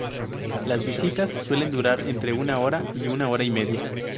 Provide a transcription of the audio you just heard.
Las visitas suelen durar entre una hora y una hora y media.